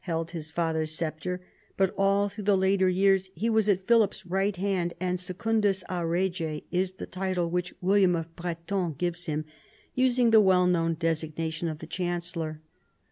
held his father's sceptre, but all through the later years he was at Philip's right hand, and secundus a rege is the title which William of Breton gives him, using the well known designation of the chancellor.